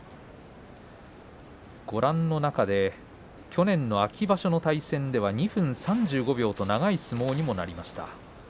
去年の秋場所の対戦では２分３５秒と長い相撲にもなりました。